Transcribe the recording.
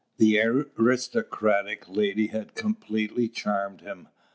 The aristocratic lady had completely charmed him.